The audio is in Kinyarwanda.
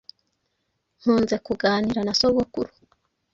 Nkunze kuganira na sogokuru